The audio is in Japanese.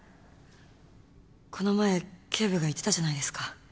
この前警部が言ってたじゃないですか。